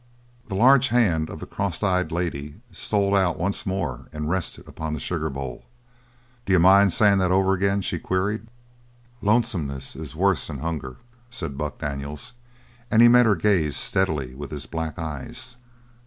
The large hand of the cross eyed lady stole out once more and rested upon the sugar bowl. "D'you mind sayin' that over agin?" she queried. "Lonesomeness is worse'n hunger," said Buck Daniels, and he met her gaze steadily with his black eyes.